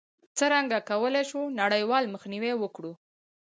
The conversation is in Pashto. څرنګه کولای شو نړیوال مخنیوی وکړو؟